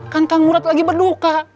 kan kang murad lagi berduka